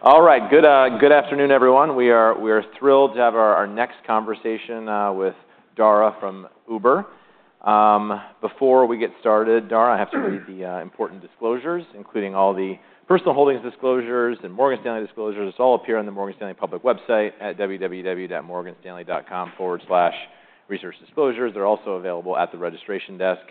All right. Good afternoon, everyone. We are thrilled to have our next conversation with Dara from Uber. Before we get started, Dara, I have to read the important disclosures including all the personal holdings disclosures and Morgan Stanley disclosures. It's all up here on the Morgan Stanley public website at www.morganstanley.com/resource-disclosures. They're also available at the registration desk.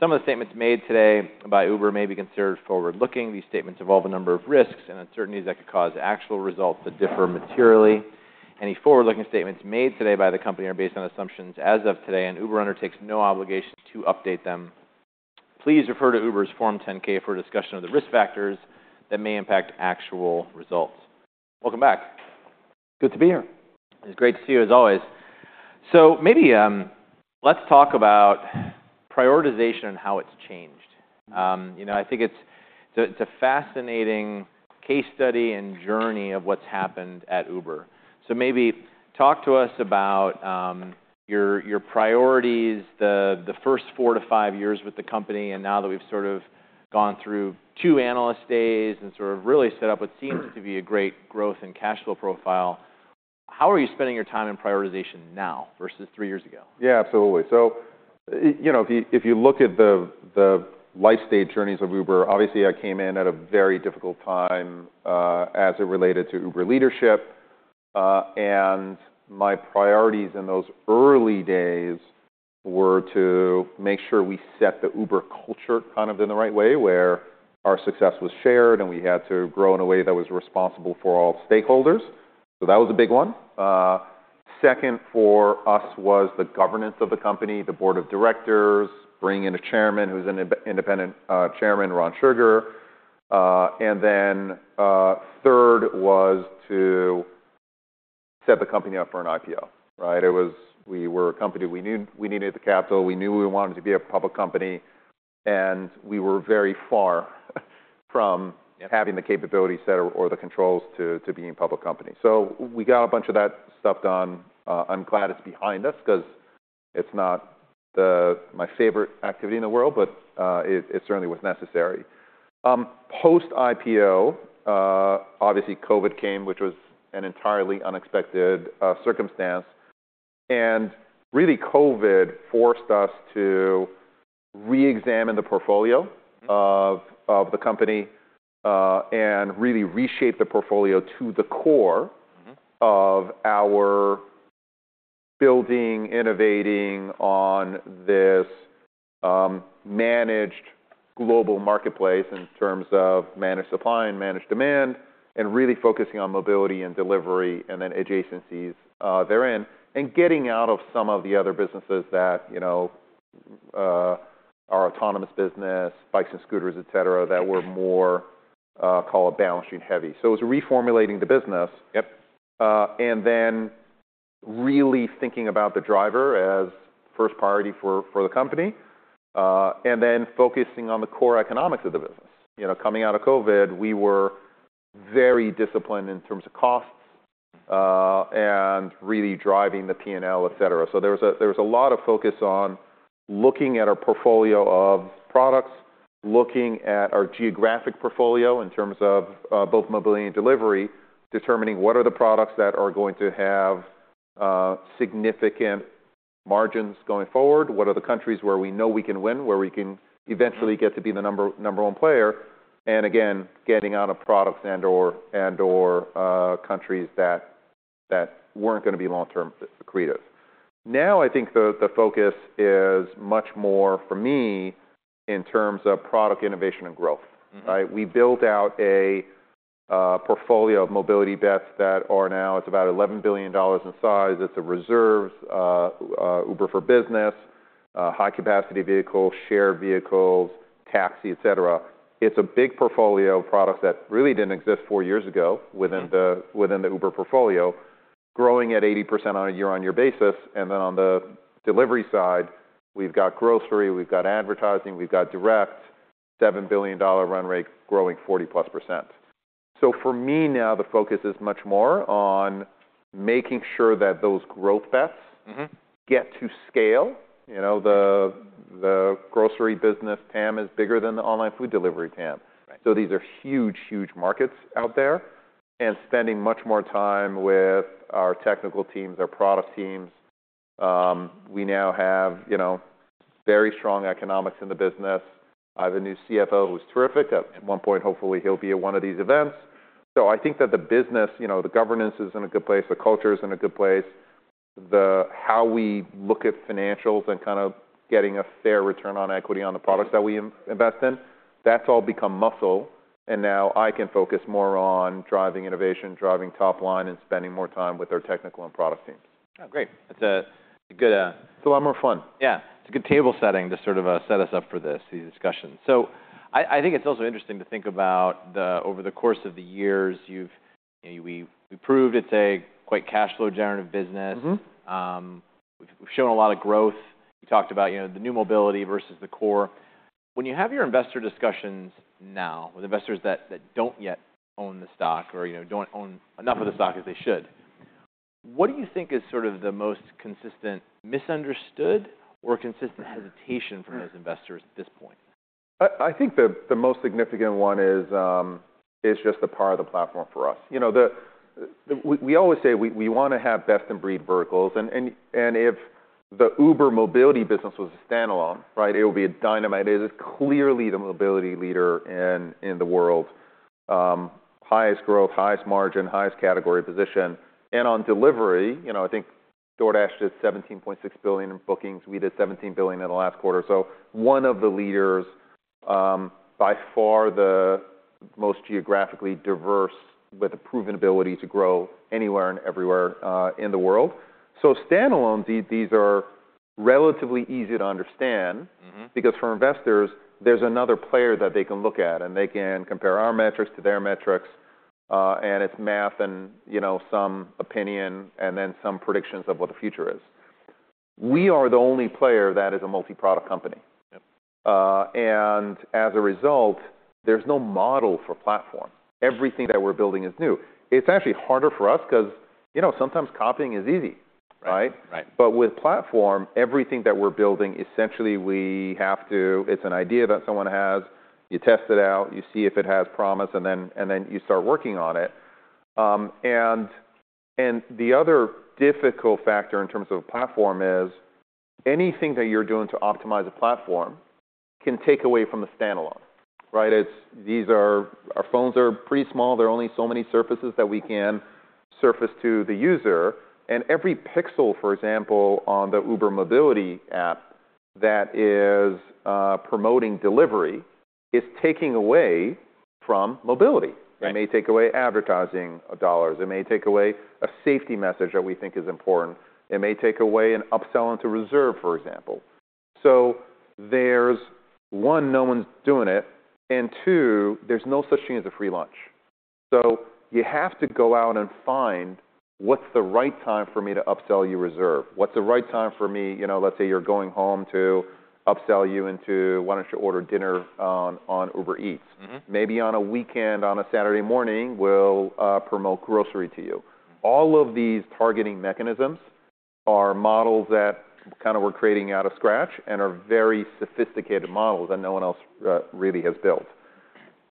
Some of the statements made today by Uber may be considered forward-looking. These statements involve a number of risks and uncertainties that could cause actual results to differ materially. Any forward-looking statements made today by the company are based on assumptions as of today and Uber undertakes no obligation to update them. Please refer to Uber's Form 10-K for a discussion of the risk factors that may impact actual results. Welcome back. Good to be here. It's great to see you as always. So maybe let's talk about prioritization and how it's changed. You know, I think it's a fascinating case study and journey of what's happened at Uber. So maybe talk to us about your priorities the first four to five years with the company and now that we've sort of gone through two analyst days and sort of really set up what seems to be a great growth and cash flow profile. How are you spending your time in prioritization now versus three years ago? Yeah, absolutely. So you know if you look at the life stage journeys of Uber, obviously I came in at a very difficult time, as it related to Uber leadership. And my priorities in those early days were to make sure we set the Uber culture kind of in the right way where our success was shared and we had to grow in a way that was responsible for all stakeholders. So that was a big one. Second for us was the governance of the company. The board of directors. Bringing in a chairman who's an independent chairman, Ron Sugar. And then, third was to set the company up for an IPO. Right? It was we were a company we knew we needed the capital. We knew we wanted to be a public company. We were very far from having the capabilities set or the controls to being a public company. So we got a bunch of that stuff done. I'm glad it's behind us 'cause it's not my favorite activity in the world but it certainly was necessary. Post-IPO obviously COVID came which was an entirely unexpected circumstance. Really COVID forced us to reexamine the portfolio of the company and really reshape the portfolio to the core of our building innovating on this managed global marketplace in terms of managed supply and managed demand and really focusing on mobility and delivery and then adjacencies therein. Getting out of some of the other businesses that you know are autonomous business bikes and scooters et cetera that were more call it balance sheet heavy. So it was reformulating the business. Yep. And then really thinking about the driver as first priority for the company. And then focusing on the core economics of the business. You know, coming out of COVID, we were very disciplined in terms of costs. And really driving the P&L, et cetera. So there was a lot of focus on looking at our portfolio of products. Looking at our geographic portfolio in terms of both mobility and delivery. Determining what are the products that are going to have significant margins going forward. What are the countries where we know we can win, where we can eventually get to be the number one player. And again getting out of products and/or countries that weren't gonna be long-term accretive. Now I think the focus is much more for me in terms of product innovation and growth. Mm-hmm. Right? We built out a portfolio of mobility bets that are now it's about $11 billion in size. It's reservations, Uber for Business, high-capacity vehicles, shared vehicles, taxi, et cetera. It's a big portfolio of products that really didn't exist four years ago within the Uber portfolio. Growing at 80% on a year-on-year basis. And then on the delivery side we've got grocery. We've got advertising. We've got direct. $7 billion run rate growing 40+%. So for me now the focus is much more on making sure that those growth bets. Mm-hmm. Get to scale. You know the grocery business TAM is bigger than the online food delivery TAM. Right. So these are huge huge markets out there. And spending much more time with our technical teams our product teams. We now have, you know, very strong economics in the business. I have a new CFO who's terrific. At one point hopefully he'll be at one of these events. So I think that the business you know the governance is in a good place. The culture's in a good place. The how we look at financials and kind of getting a fair return on equity on the products that we invest in. That's all become muscle. And now I can focus more on driving innovation driving top line and spending more time with our technical and product teams. Oh great. That's a good, It's a lot more fun. Yeah. It's a good table setting to sort of set us up for these discussions. So I think it's also interesting to think about over the course of the years you know we proved it's a quite cash flow generative business. Mm-hmm. We've shown a lot of growth. You talked about, you know, the new mobility versus the core. When you have your investor discussions now with investors that don't yet own the stock or, you know, don't own enough of the stock as they should. What do you think is sort of the most consistent misunderstood or consistent hesitation from those investors at this point? I think the most significant one is just the power of the platform for us. You know, we always say we wanna have best-in-breed verticals. And if the Uber mobility business was a standalone, right, it would be a dynamite. It is clearly the mobility leader in the world. Highest growth, highest margin, highest category position. And on delivery, you know, I think DoorDash did $17.6 billion in bookings. We did $17 billion in the last quarter. So one of the leaders by far, the most geographically diverse with a proven ability to grow anywhere and everywhere in the world. So standalones, these are relatively easy to understand. Mm-hmm. Because for investors there's another player that they can look at. And they can compare our metrics to their metrics. And it's math and, you know, some opinion and then some predictions of what the future is. We are the only player that is a multi-product company. Yep. As a result, there's no model for platform. Everything that we're building is new. It's actually harder for us 'cause, you know, sometimes copying is easy. Right. Right? Right. But with platform everything that we're building essentially we have to—it's an idea that someone has. You test it out. You see if it has promise and then you start working on it. And the other difficult factor in terms of platform is anything that you're doing to optimize a platform can take away from the standalone. Right? It's—these are our phones are pretty small. There are only so many surfaces that we can surface to the user. And every pixel, for example, on the Uber mobility app that is promoting delivery is taking away from mobility. Right. It may take away advertising dollars. It may take away a safety message that we think is important. It may take away an upsell into reserve for example. So there's one no one's doing it. And two there's no such thing as a free lunch. So you have to go out and find what's the right time for me to upsell you reserve. What's the right time for me you know let's say you're going home to upsell you into why don't you order dinner on Uber Eats. Mm-hmm. Maybe on a weekend on a Saturday morning we'll promote grocery to you. All of these targeting mechanisms are models that kind of we're creating from scratch and are very sophisticated models that no one else really has built.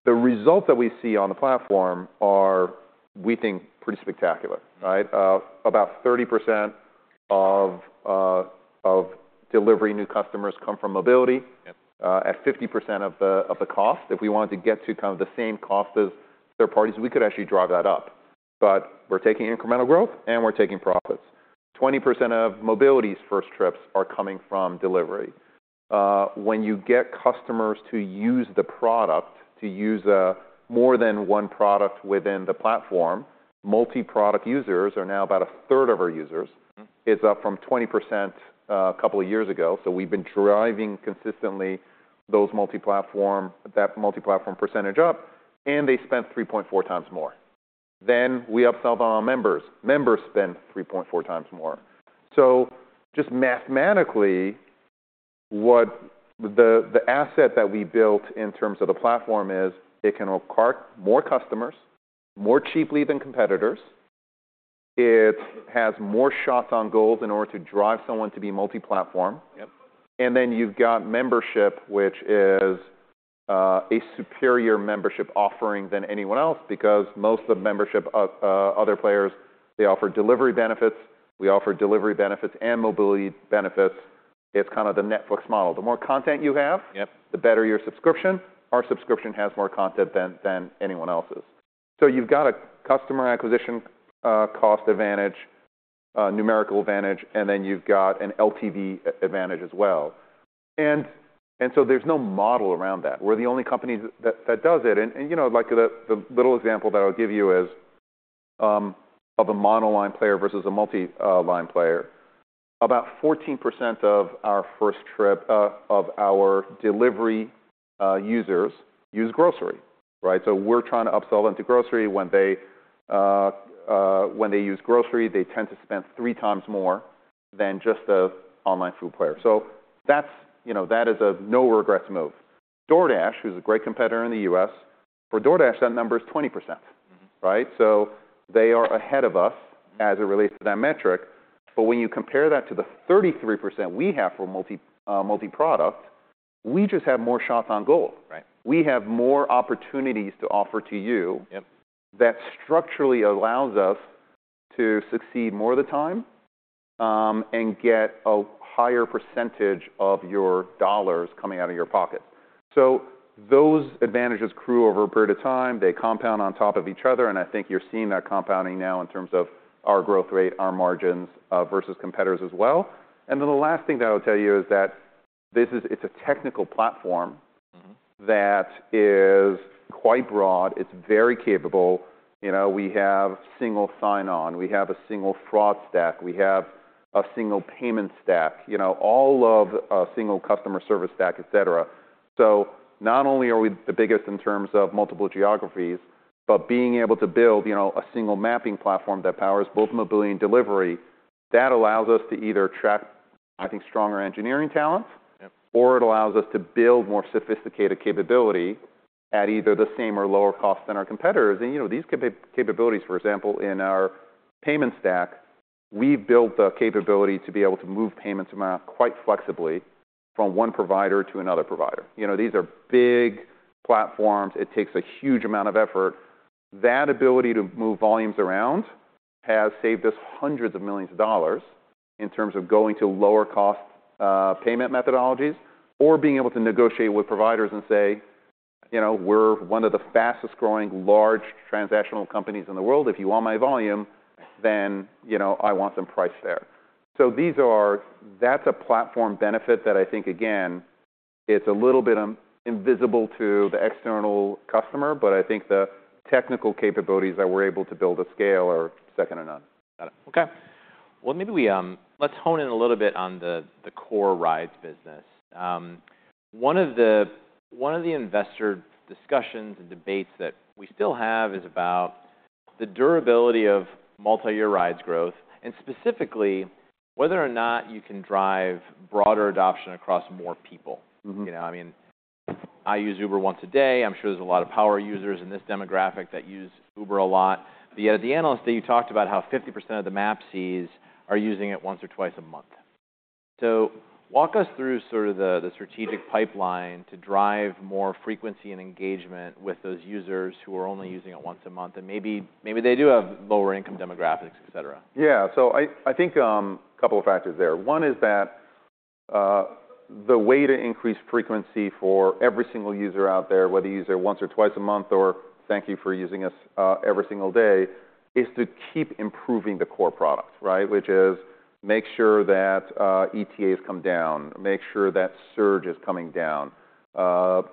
The results that we see on the platform are, we think, pretty spectacular. Right? About 30% of delivery new customers come from mobility. Yep. At 50% of the cost. If we wanted to get to kind of the same cost as third parties, we could actually drive that up. But we're taking incremental growth and we're taking profits. 20% of mobility's first trips are coming from delivery. When you get customers to use more than one product within the platform, multi-product users are now about a third of our users. Mm-hmm. It's up from 20%, a couple of years ago. So we've been driving consistently those multi-platform that multi-platform percentage up. And they spent 3.4 times more. Then we upselled on our members. Members spend 3.4 times more. So just mathematically what the asset that we built in terms of the platform is it can attract more customers more cheaply than competitors. It has more shots on goals in order to drive someone to be multi-platform. Yep. And then you've got membership, which is a superior membership offering than anyone else because most of the membership, other players they offer delivery benefits. We offer delivery benefits and mobility benefits. It's kind of the Netflix model. The more content you have. Yep. The better your subscription. Our subscription has more content than anyone else's. So you've got a customer acquisition cost advantage, numerical advantage. And then you've got an LTV advantage as well. And so there's no model around that. We're the only company that does it. And you know, like, the little example that I'll give you is of a monoline player versus a multi-line player. About 14% of our first trip of our delivery users use grocery. Right? So we're trying to upsell them to grocery. When they use grocery, they tend to spend three times more than just the online food player. So that's, you know, that is a no regrets move. DoorDash, who's a great competitor in the U.S.—for DoorDash that number is 20%. Mm-hmm. Right? So they are ahead of us as it relates to that metric. But when you compare that to the 33% we have for multi-product we just have more shots on goal. Right. We have more opportunities to offer to you. Yep. That structurally allows us to succeed more of the time and get a higher percentage of your dollars coming out of your pockets. So those advantages accrue over a period of time. They compound on top of each other. And I think you're seeing that compounding now in terms of our growth rate, our margins, versus competitors as well. And then the last thing that I'll tell you is that this is, it's a technical platform. Mm-hmm. That is quite broad. It's very capable. You know we have single sign-on. We have a single fraud stack. We have a single payment stack. You know all of a single customer service stack et cetera. So not only are we the biggest in terms of multiple geographies but being able to build, you know, a single mapping platform that powers both mobility and delivery that allows us to either track I think stronger engineering talent. Yep. Or it allows us to build more sophisticated capability at either the same or lower cost than our competitors. And you know these capabilities for example in our payment stack we've built the capability to be able to move payments around quite flexibly from one provider to another provider. You know these are big platforms. It takes a huge amount of effort. That ability to move volumes around has saved us $hundreds of millions in terms of going to lower cost, payment methodologies or being able to negotiate with providers and say, you know, we're one of the fastest growing large transactional companies in the world. If you want my volume then you know I want them priced there. So these are that's a platform benefit that I think again it's a little bit invisible to the external customer. But I think the technical capabilities that we're able to build to scale are second to none. Got it. Okay. Well, maybe we, let's hone in a little bit on the core rides business. One of the investor discussions and debates that we still have is about the durability of multi-year rides growth. Specifically, whether or not you can drive broader adoption across more people. Mm-hmm. You know, I mean, I use Uber once a day. I'm sure there's a lot of power users in this demographic that use Uber a lot. But yet at the Analyst Day you talked about how 50% of the MAUs are using it once or twice a month. So walk us through sort of the strategic pipeline to drive more frequency and engagement with those users who are only using it once a month. And maybe they do have lower income demographics et cetera. Yeah. So I think, a couple of factors there. One is that, the way to increase frequency for every single user out there whether you use it once or twice a month or thank you for using us, every single day is to keep improving the core product. Right? Which is make sure that, ETAs come down. Make sure that surge is coming down.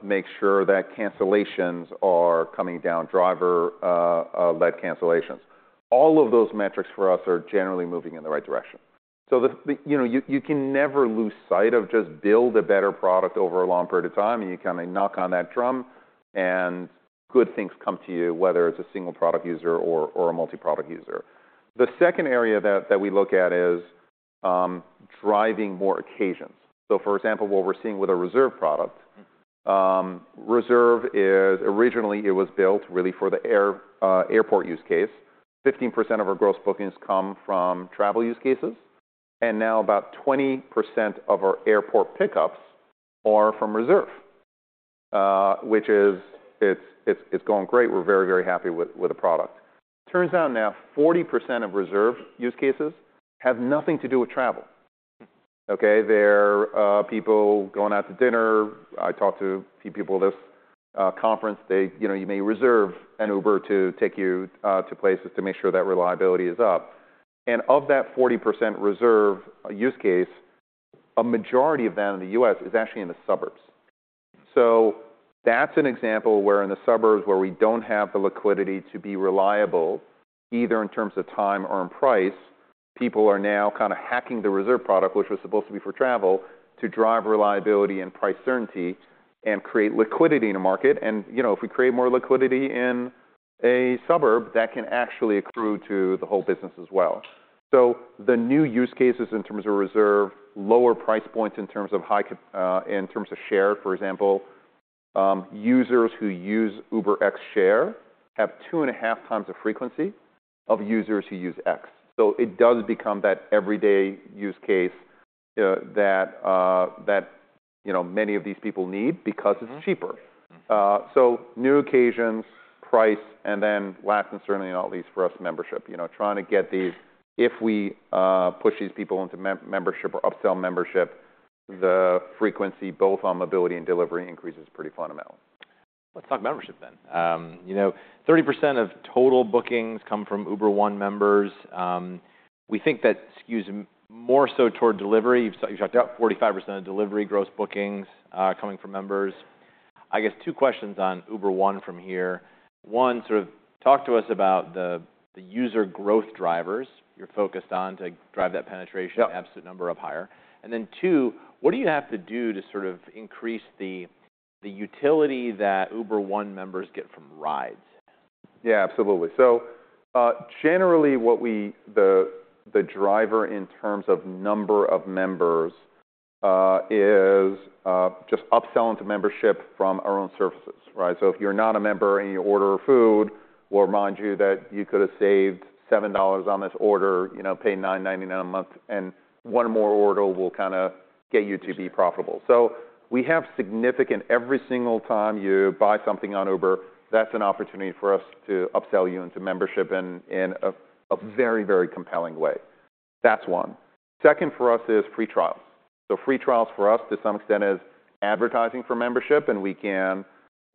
Make sure that cancellations are coming down driver-led cancellations. All of those metrics for us are generally moving in the right direction. So the you know you can never lose sight of just build a better product over a long period of time. And you kind of knock on that drum and good things come to you whether it's a single product user or a multi-product user. The second area that we look at is, driving more occasions. For example, what we're seeing with a Reserve product. Mm-hmm. Reserve is originally it was built really for the airport use case. 15% of our gross bookings come from travel use cases. And now about 20% of our airport pickups are from Reserve, which is it's going great. We're very happy with the product. Turns out now 40% of Reserve use cases have nothing to do with travel. Okay? They're people going out to dinner. I talked to a few people at this conference. They, you know, you may reserve an Uber to take you to places to make sure that reliability is up. And of that 40% Reserve use case a majority of that in the U.S. is actually in the suburbs. So that's an example where in the suburbs where we don't have the liquidity to be reliable either in terms of time or in price people are now kind of hacking the Reserve product which was supposed to be for travel to drive reliability and price certainty and create liquidity in a market. And you know if we create more liquidity in a suburb that can actually accrue to the whole business as well. So the new use cases in terms of Reserve lower price points in terms of high-capacity in terms of share for example. Users who use UberX Share have 2.5 times the frequency of users who use UberX. So it does become that everyday use case, you know many of these people need because it's cheaper. Mm-hmm. So, new occasions, price, and then last and certainly not least for us, membership. You know, trying to get these—if we push these people into me+ membership or upsell membership, the frequency both on mobility and delivery increases pretty fundamentally. Let's talk membership then. You know, 30% of total bookings come from Uber One members. We think that skews more so toward delivery. You've talked about 45% of delIvery gross bookings coming from members. I guess two questions on Uber One from here. One, sort of talk to us about the U.S.er growth drivers you're focused on to drive that penetration. Yeah. Absolute number up higher. And then, too, what do you have to do to sort of increase the utility that Uber One members get from rides? Yeah, absolutely. So, generally what we see as the driver in terms of number of members is just upselling to membership from our own services. Right? So if you're not a member and you order food we'll remind you that you could have saved $7 on this order. You know, pay $9.99 a month and one more order will kind of get you to be profitable. So we have significant every single time you buy something on Uber that's an opportunity for us to upsell you into membership in a very compelling way. That's one. Second for us is free trials. So free trials for us to some extent is advertising for membership. We can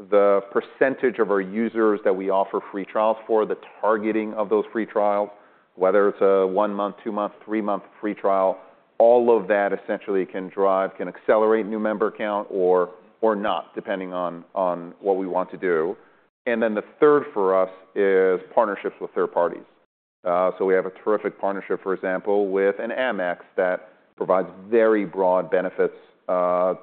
the percentage of our users that we offer free trials for, the targeting of those free trials, whether it's a one month, two month, three month free trial. All of that essentially can drive or accelerate new member count or not depending on what we want to do. Then the third for us is partnerships with third parties. So we have a terrific partnership, for example, with an Amex that provides very broad benefits to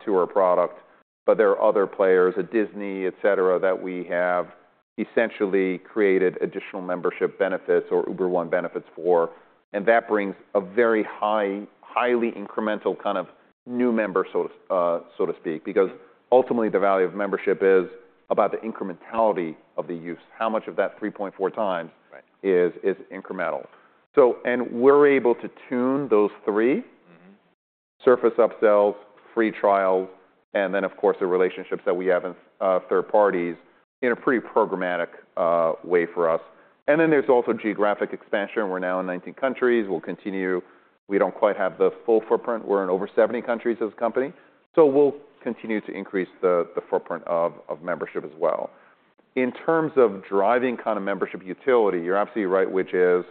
our product. But there are other players, a Disney et cetera, that we have essentially created additional membership benefits or Uber One benefits for. And that brings a very highly incremental kind of new member, so to speak. Because ultimately the value of membership is about the incrementality of the U.S.e. How much of that 3.4 times. Right. It is incremental. So, and we're able to tune those three. Mm-hmm. Surface upsells, free trials and then of course the relationships that we have with third parties in a pretty programmatic way for us. And then there's also geographic expansion. We're now in 19 countries. We'll continue; we don't quite have the full footprint. We're in over 70 countries as a company. So we'll continue to increase the footprint of membership as well. In terms of driving kind of membership utility, you're absolutely right, which is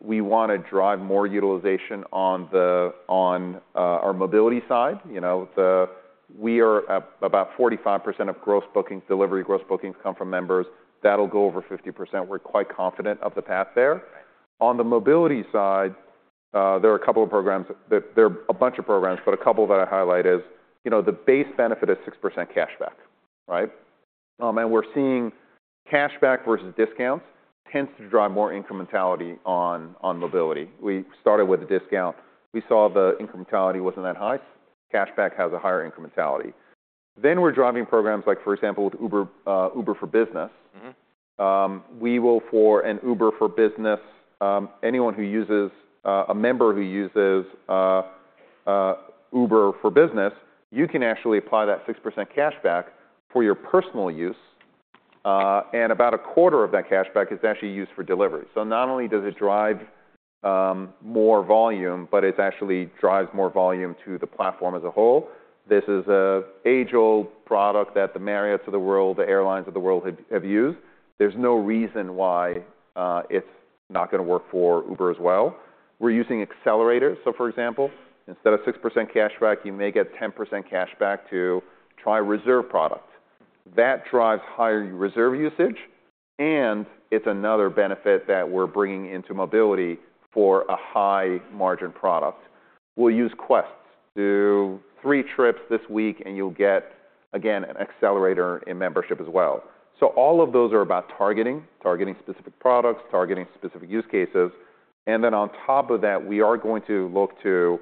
we wanna drive more utilization on our mobility side. You know we are about 45% of gross bookings delivery gross bookings come from members. That'll go over 50%. We're quite confident of the path there. Right. On the mobility side, there are a couple of programs that there are a bunch of programs, but a couple that I highlight is, you know, the base benefit is 6% cashback. Right? We're seeing cashback versus discounts tends to drive more incrementality on mobility. We started with a discount. We saw the incrementality wasn't that high. Cashback has a higher incrementality. Then we're driving programs like, for example, with Uber for Business. Mm-hmm. We will for Uber for Business. Anyone who uses a member who uses Uber for Business, you can actually apply that 6% cashback for your personal use. And about a quarter of that cashback is actually used for delivery. So not only does it drive more volume, but it actually drives more volume to the platform as a whole. This is an age-old product that the Marriott's of the world, the airlines of the world have used. There's no reason why it's not gonna work for Uber as well. We're using accelerators. So for example, instead of 6% cashback, you may get 10% cashback to try Reserve product. That drives higher Reserve usage. And it's another benefit that we're bringing into mobility for a high margin product. We'll use Quests. Do the trips this week and you'll get again an accelerator in membership as well. So all of those are about targeting specific products targeting specific use cases. And then on top of that we are going to look to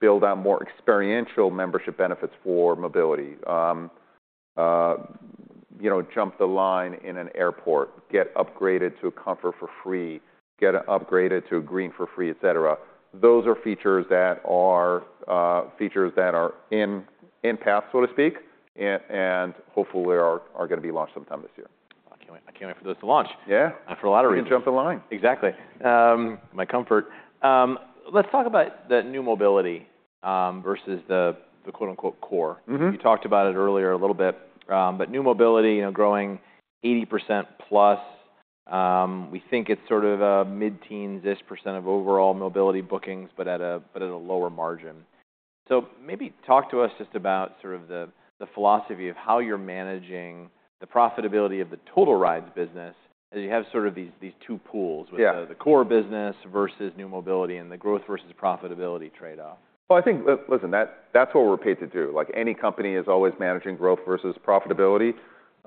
build out more experiential membership benefits for mobility. You know, jump the line in an airport. Get upgraded to a Comfort for free. Get upgraded to a Green for free, et cetera. Those are features that are in path, so to speak. And hopefully they are gonna be launched sometime this year. I can't wait. I can't wait for those to launch. Yeah. For a lot of reasons. You can jump the line. Exactly. My Comfort. Let's talk about the new mobility versus the quote-unquote core. Mm-hmm. You talked about it earlier a little bit. But new mobility, you know, growing 80%+. We think it's sort of a mid-teens-ish percent of overall mobility bookings but at a lower margin. So maybe talk to us just about sort of the philosophy of how you're managing the profitability of the total rides business as you have sort of these two pools. Yeah. With the core business versus new mobility and the growth versus profitability trade-off. Well, I think listen, that's what we're paid to do. Like any company is always managing growth versus profitability.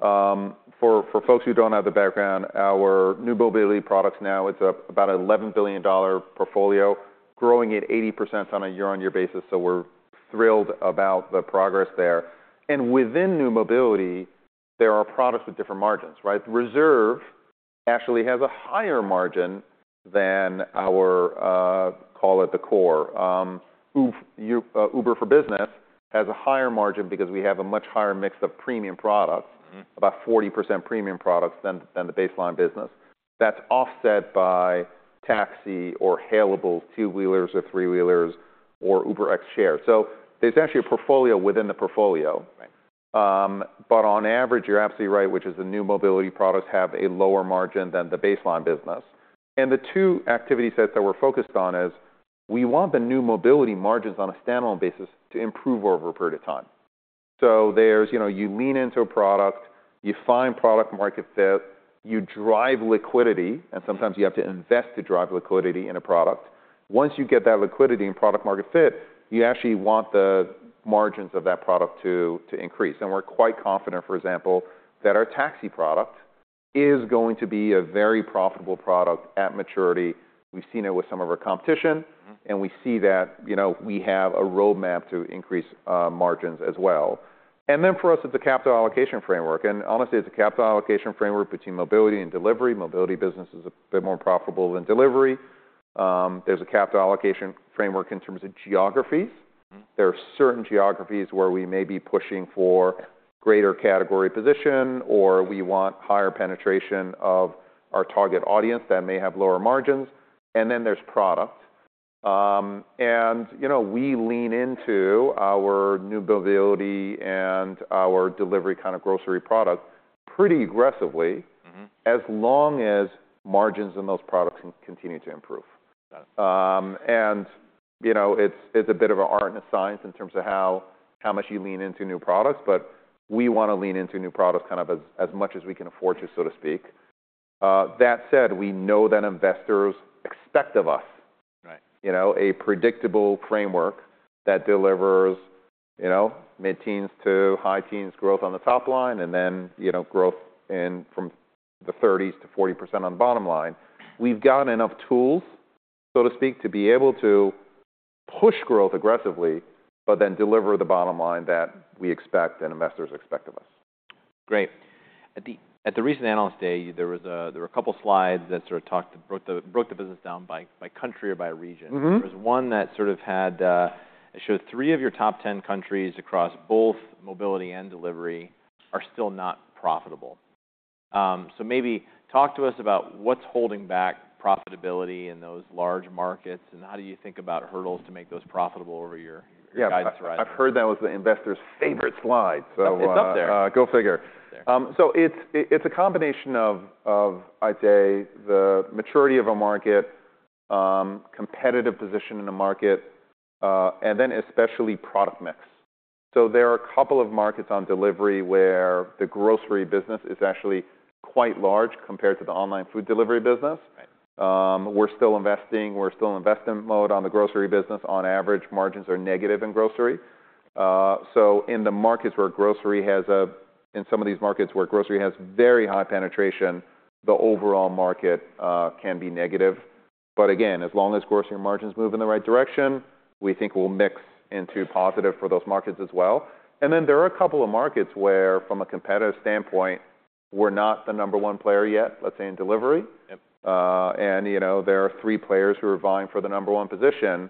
For folks who don't have the background, our new mobility products now it's about an $11 billion portfolio growing at 80% on a year-on-year basis. So we're thrilled about the progress there. And within new mobility there are products with different margins. Right? Reserve actually has a higher margin than our, call it the core. Uber for Business has a higher margin because we have a much higher mix of premium products. Mm-hmm. About 40% premium products than the baseline business. That's offset by taxi or hailables two-wheelers or three-wheelers or UberX Share. So there's actually a portfolio within the portfolio. Right. But on average, you're absolutely right, which is the new mobility products have a lower margin than the baseline business. The two activity sets that we're focused on is we want the new mobility margins on a standalone basis to improve over a period of time. So there's you know you lean into a product. You find product market fit. You drive liquidity. And sometimes you have to invest to drive liquidity in a product. Once you get that liquidity and product market fit, you actually want the margins of that product to to increase. And we're quite confident, for example, that our taxi product is going to be a very profitable product at maturity. We've seen it with some of our competition. Mm-hmm. We see that you know we have a roadmap to increase margins as well. Then for us it's a capital allocation framework. Honestly it's a capital allocation framework between mobility and delivery. Mobility business is a bit more profitable than delivery. There's a capital allocation framework in terms of geographies. Mm-hmm. There are certain geographies where we may be pushing for greater category position or we want higher penetration of our target audience that may have lower margins. And then there's product. And you know we lean into our new mobility and our delivery kind of grocery product pretty aggressively. Mm-hmm. As long as margins in those products can continue to improve. Got it. You know, it's a bit of an art and a science in terms of how much you lean into new products. But we wanna lean into new products kind of as much as we can afford to, so to speak. That said, we know that investors expect of us. Right. You know a predictable framework that delivers you know mid-teens to high-teens growth on the top line and then you know growth in from the 30s to 40% on the bottom line. We've got enough tools so to speak to be able to push growth aggressively but then deliver the bottom line that we expect and investors expect of us. Great. At the recent analyst day there were a couple slides that sort of broke the business down by country or by region. Mm-hmm. There was one that sort of had it. It showed three of your top ten countries across both mobility and delivery are still not profitable. So maybe talk to us about what's holding back profitability in those large markets and how do you think about hurdles to make those profitable over your your guidance arrival. I've heard that was the investor's favorite slide. So It's up there. go figure. It's up there. So it's a combination of, I'd say, the maturity of a market, competitive position in a market, and then especially product mix. So there are a couple of markets on delivery where the grocery business is actually quite large compared to the online food delivery business. Right. We're still in investing mode on the grocery business. On average, margins are negative in grocery. So in the markets where grocery has very high penetration, the overall market can be negative. But again, as long as grocery margins move in the right direction, we think we'll move into positive for those markets as well. Then there are a couple of markets where, from a competitive standpoint, we're not the number one player yet, let's say, in delivery. Yep. You know, there are three players who are vying for the number one position.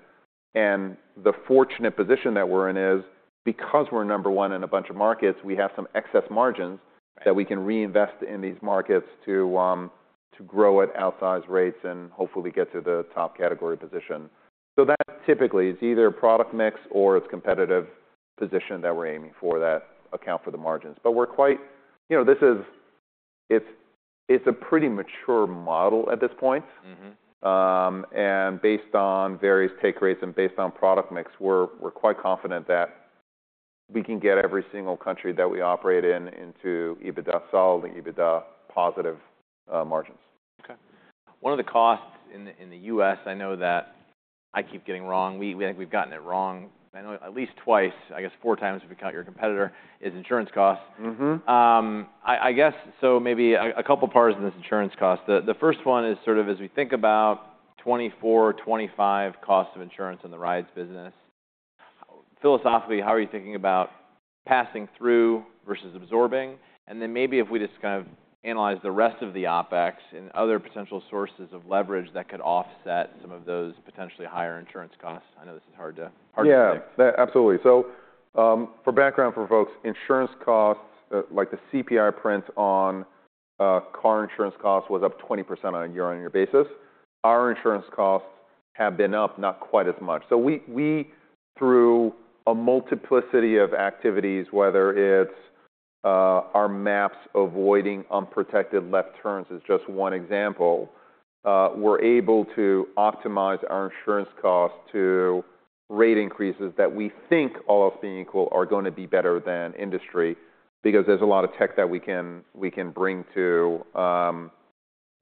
The fortunate position that we're in is because we're number one in a bunch of markets, we have some excess margins. Right. That we can reinvest in these markets to grow at outsized rates and hopefully get to the top category position. So that typically is either product mix or it's competitive position that we're aiming for that account for the margins. But we're quite, you know, this is—it's a pretty mature model at this point. Mm-hmm. Based on various take rates and based on product mix, we're quite confident that we can get every single country that we operate in into EBITDA solid EBITDA positive margins. Okay. One of the costs in the U.S. I know that I keep getting wrong. We, I think we've gotten it wrong. I know at least twice. I guess four times if we count your competitor's insurance costs. Mm-hmm. I guess so, maybe a couple parts in this insurance cost. The first one is sort of as we think about 2024-2025 costs of insurance in the rides business. Philosophically, how are you thinking about passing through versus absorbing? And then maybe if we just kind of analyze the rest of the OpEx and other potential sources of leverage that could offset some of those potentially higher insurance costs. I know this is hard to predict. Yeah. That absolutely. So, for background for folks, insurance costs like the CPI print on car insurance costs was up 20% on a year-on-year basis. Our insurance costs have been up not quite as much. So we through a multiplicity of activities whether it's our maps avoiding unprotected left turns is just one example, we're able to optimize our insurance costs to rate increases that we think all else being equal are gonna be better than industry. Because there's a lot of tech that we can bring to our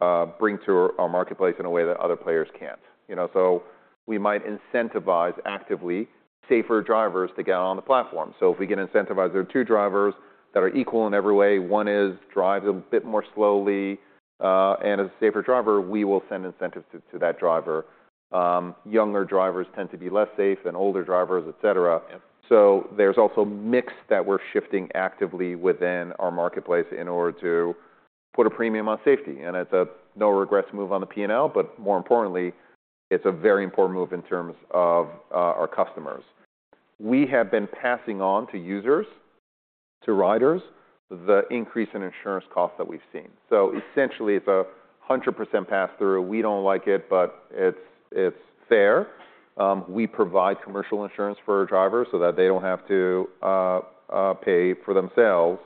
marketplace in a way that other players can't. You know, so we might incentivize actively safer drivers to get on the platform. So if we can incentivize, there are two drivers that are equal in every way. One drives a bit more slowly. As a safer driver, we will send incentives to that driver. Younger drivers tend to be less safe than older drivers, et cetera. Yep. So there's also mix that we're shifting actively within our marketplace in order to put a premium on safety. And it's a no-regrets move on the P&L but more importantly it's a very important move in terms of, our customers. We have been passing on to users to riders the increase in insurance costs that we've seen. So essentially it's a 100% pass-through. We don't like it but it's it's fair. We provide commercial insurance for our drivers so that they don't have to, pay for themselves.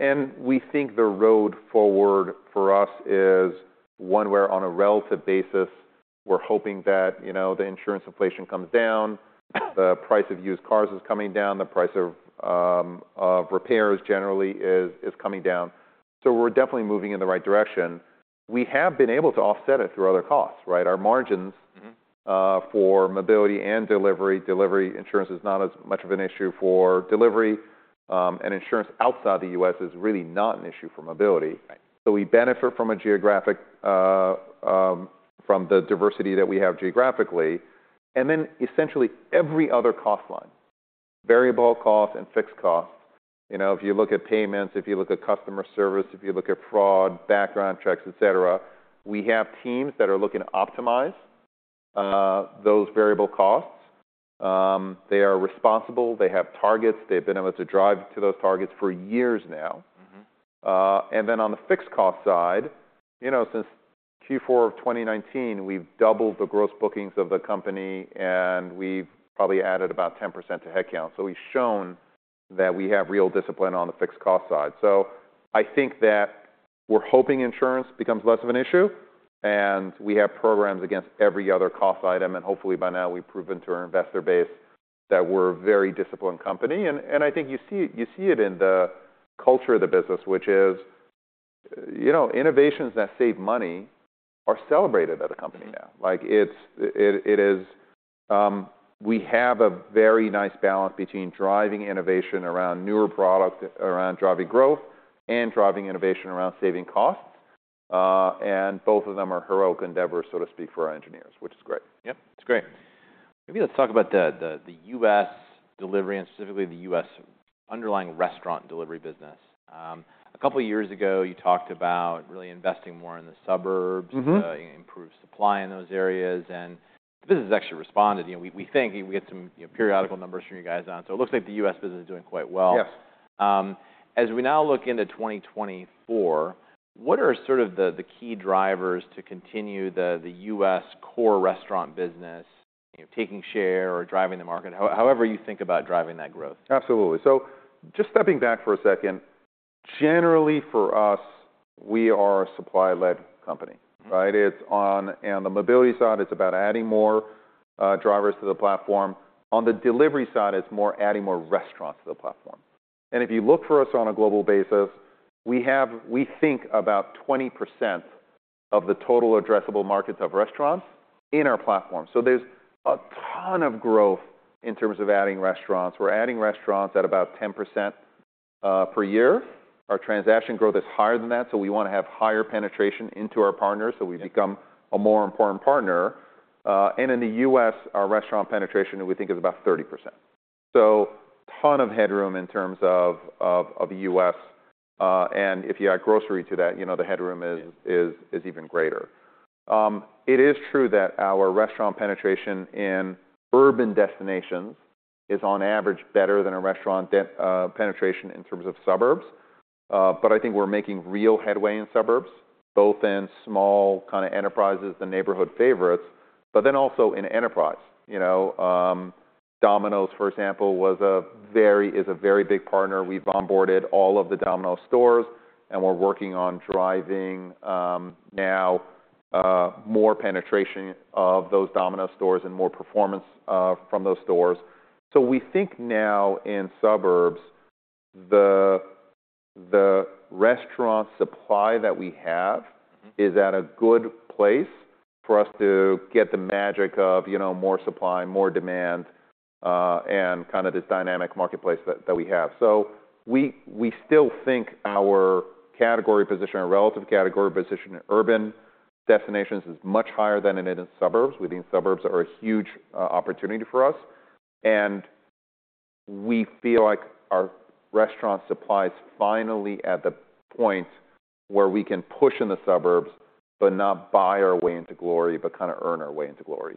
And we think the road forward for us is one where on a relative basis we're hoping that you know the insurance inflation comes down. The price of used cars is coming down. The price of of repairs generally is is coming down. So we're definitely moving in the right direction. We have been able to offset it through other costs. Right? Our margins. Mm-hmm. For mobility and delivery. Delivery insurance is not as much of an issue for delivery. Insurance outside the U.S. is really not an issue for mobility. Right. So we benefit from a geographic from the diversity that we have geographically. And then essentially every other cost line. Variable costs and fixed costs. You know if you look at payments if you look at customer service if you look at fraud background checks et cetera. We have teams that are looking to optimize those variable costs. They are responsible. They have targets. They've been able to drive to those targets for years now. Mm-hmm. And then, on the fixed cost side, you know, since Q4 of 2019, we've doubled the gross bookings of the company, and we've probably added about 10% to headcount. So we've shown that we have real discipline on the fixed cost side. So I think that we're hoping insurance becomes less of an issue. And we have programs against every other cost item. And hopefully by now we've proven to our investor base that we're a very disciplined company. And and I think you see it you see it in the culture of the business, which is, you know, innovations that save money are celebrated at a company now. Like it's it it is we have a very nice balance between driving innovation around newer product around driving growth and driving innovation around saving costs. Both of them are heroic endeavors, so to speak, for our engineers, which is great. Yep. It's great. Maybe let's talk about the U.S. delivery and specifically the U.S. underlying restaurant delivery business. A couple years ago you talked about really investing more in the suburbs. Mm-hmm. improved supply in those areas. The business has actually responded. You know, we think we get some, you know, periodic numbers from you guys on. So it looks like the U.S. business is doing quite well. Yes. As we now look into 2024, what are sort of the key drivers to continue the U.S. core restaurant business, you know, taking share or driving the market? However you think about driving that growth. Absolutely. Just stepping back for a second. Generally for us we are a supply-led company. Mm-hmm. Right? It's on the mobility side it's about adding more drivers to the platform. On the delivery side it's more adding more restaurants to the platform. And if you look for us on a global basis we have we think about 20% of the total addressable markets of restaurants in our platform. So there's a ton of growth in terms of adding restaurants. We're adding restaurants at about 10% per year. Our transaction growth is higher than that. So we wanna have higher penetration into our partners. So we become. Yep. A more important partner. In the U.S., our restaurant penetration, we think, is about 30%. So ton of headroom in terms of U.S. And if you add grocery to that, you know, the headroom is even greater. It is true that our restaurant penetration in urban destinations is on average better than a restaurant penetration in terms of suburbs. But I think we're making real headway in suburbs. Both in small kinda enterprises, the neighborhood favorites. But then also in enterprise. You know, Domino's, for example, is a very big partner. We've onboarded all of the Domino's stores. And we're working on driving now more penetration of those Domino's stores and more performance from those stores. So we think now in suburbs, the restaurant supply that we have. Mm-hmm. is at a good place for us to get the magic of, you know, more supply, more demand, and kinda this dynamic marketplace that we have. We still think our relative category position in urban destinations is much higher than it is in suburbs. We think suburbs are a huge opportunity for us. We feel like our restaurant supply is finally at the point where we can push in the suburbs but not buy our way into glory but kinda earn our way into glory.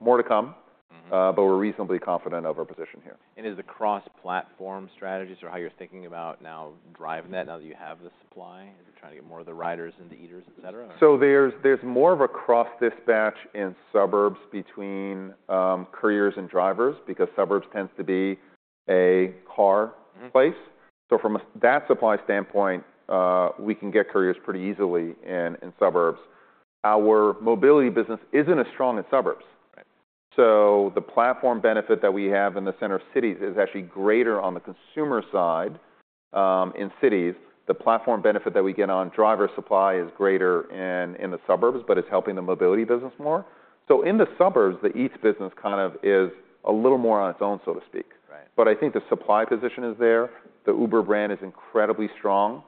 More to come. Mm-hmm. But we're reasonably confident of our position here. Is the cross-platform strategy so how you're thinking about now driving that now that you have the supply? Is it trying to get more of the riders and the eaters et cetera? So there's more of a cross-dispatch in suburbs between couriers and drivers. Because suburbs tends to be a car. Mm-hmm. So from a supply standpoint we can get couriers pretty easily in suburbs. Our mobility business isn't as strong in suburbs. Right. The platform benefit that we have in the center of cities is actually greater on the consumer side. In cities the platform benefit that we get on driver supply is greater in the suburbs but it's helping the mobility business more. In the suburbs the Eats business kind of is a little more on its own so to speak. Right. I think the supply position is there. The Uber brand is incredibly strong.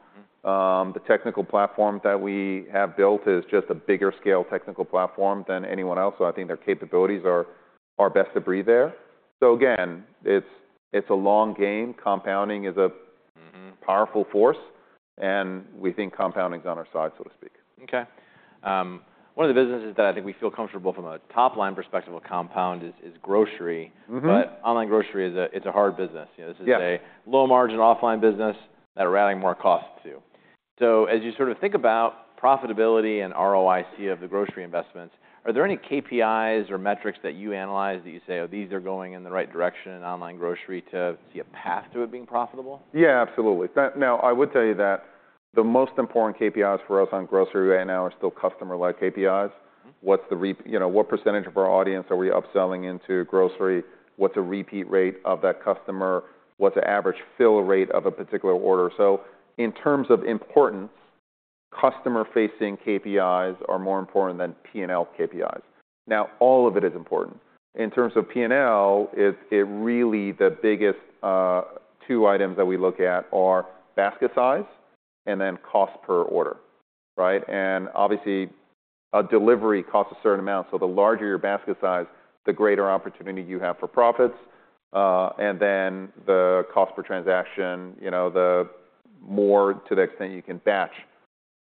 Mm-hmm. The technical platform that we have built is just a bigger scale technical platform than anyone else. So I think their capabilities are best of breed there. So again it's a long game. Compounding is a. Mm-hmm. Powerful force. We think compounding's on our side so to speak. Okay. One of the businesses that I think we feel comfortable from a top line perspective of compound is grocery. Mm-hmm. But online grocery is a hard business. You know, this is a. Yeah. Low margin offline business that are adding more costs too. So as you sort of think about profitability and ROIC of the grocery investments are there any KPIs or metrics that you analyze that you say oh these are going in the right direction in online grocery to see a path to it being profitable? Yeah absolutely. That now I would tell you that the most important KPIs for us on grocery right now are still customer-led KPIs. Mm-hmm. What's, you know, what percentage of our audience are we upselling into grocery? What's a repeat rate of that customer? What's an average fill rate of a particular order? So in terms of importance, customer-facing KPIs are more important than P&L KPIs. Now all of it is important. In terms of P&L, it it really the biggest two items that we look at are basket size and then cost per order. Right? And obviously a delivery costs a certain amount. So the larger your basket size the greater opportunity you have for profits. And then the cost per transaction, you know, the more to the extent you can batch.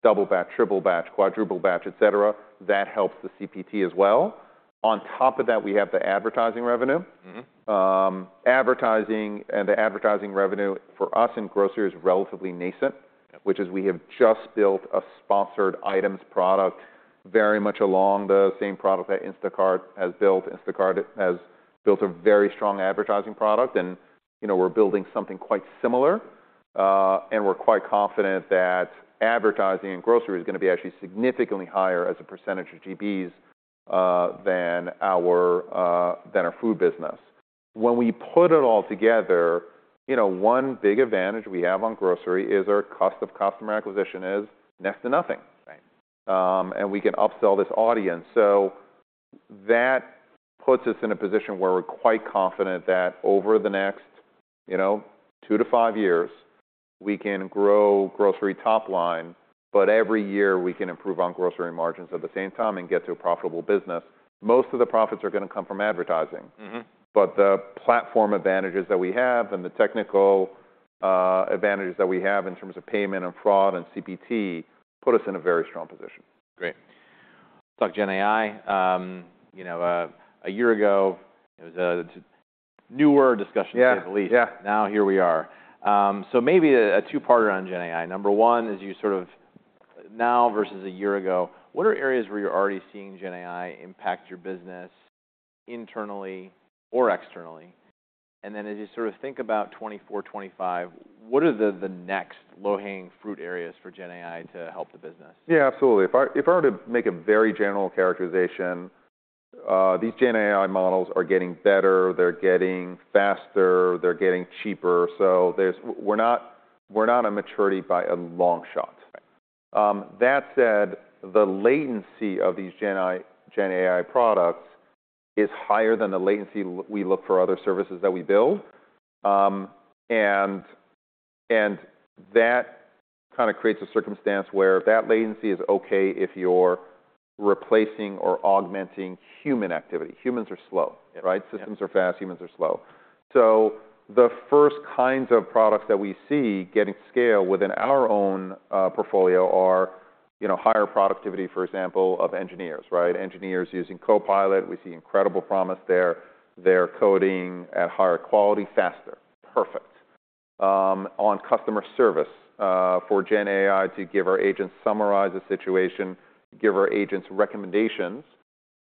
Double batch, triple batch, quadruple batch, et cetera. That helps the CPT as well. On top of that we have the advertising revenue. Mm-hmm. advertising and the advertising revenue for us in grocery is relatively nascent. Yep. Which is, we have just built a sponsored items product very much along the same product that Instacart has built. Instacart has built a very strong advertising product. And you know we're building something quite similar. And we're quite confident that advertising in grocery is gonna be actually significantly higher as a percentage of GMVs than our food business. When we put it all together, you know, one big advantage we have on grocery is our cost of customer acquisition is next to nothing. Right. We can upsell this audience. So that puts us in a position where we're quite confident that over the next, you know, two-five years we can grow grocery top line, but every year we can improve on grocery margins at the same time and get to a profitable business. Most of the profits are gonna come from advertising. Mm-hmm. But the platform advantages that we have and the technical advantages that we have in terms of payment and fraud and CPT put us in a very strong position. Great. Talk GenAI. You know, a year ago it was a touch newer discussion to say the least. Yeah. Yeah. Now here we are. So maybe a two-parter on GenAI. Number one is you sort of now versus a year ago what are areas where you're already seeing GenAI impact your business internally or externally? And then as you sort of think about 2024-2025 what are the next low-hanging fruit areas for GenAI to help the business? Yeah, absolutely. If I were to make a very general characterization, these GenAI models are getting better. They're getting faster. They're getting cheaper. So we're not at maturity by a long shot. Right. That said, the latency of these GenAI products is higher than the latency we look for other services that we build. That kinda creates a circumstance where that latency is okay if you're replacing or augmenting human activity. Humans are slow. Yeah. Right? Systems are fast. Humans are slow. So the first kinds of products that we see getting to scale within our own portfolio are, you know, higher productivity, for example, of engineers. Right? Engineers using Copilot. We see incredible promise there. They're coding at higher quality faster. Perfect. On customer service for GenAI to give our agents summarize a situation, give our agents recommendations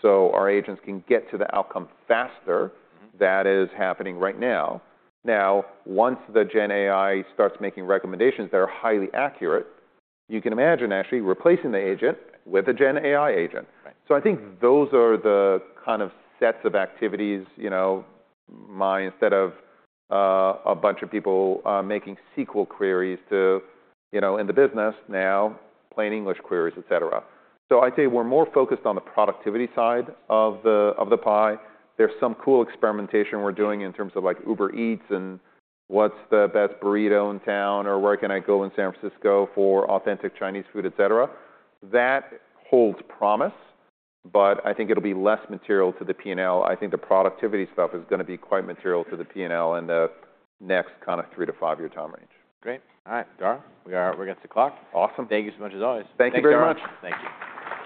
so our agents can get to the outcome faster. Mm-hmm. That is happening right now. Now once the GenAI starts making recommendations that are highly accurate, you can imagine actually replacing the agent with a GenAI agent. Right. So I think those are the kind of sets of activities you know my instead of a bunch of people making SQL queries to you know in the business now plain English queries et cetera. So I'd say we're more focused on the productivity side of the pie. There's some cool experimentation we're doing in terms of like Uber Eats and what's the best burrito in town or where can I go in San Francisco for authentic Chinese food et cetera. That holds promise but I think it'll be less material to the P&L. I think the productivity stuff is gonna be quite material to the P&L in the next kinda three to five year time range. Great. All right, Dara. We're against the clock. Awesome. Thank you so much as always. Thank you very much. Thank you.